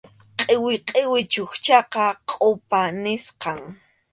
Qʼiwi qʼiwi chukchaqa kʼupa nisqam.